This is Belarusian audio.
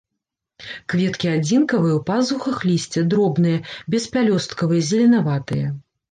Кветкі адзінкавыя, у пазухах лісця, дробныя, беспялёсткавыя, зеленаватыя.